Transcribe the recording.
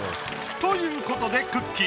ということでくっきー！